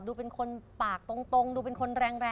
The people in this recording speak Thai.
ดูเป็นคนปากตรงดูเป็นคนแรง